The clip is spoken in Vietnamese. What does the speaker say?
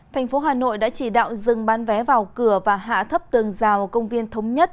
thành phố hà nội đã chỉ đạo dừng bán vé vào cửa và hạ thấp tường rào công viên thống nhất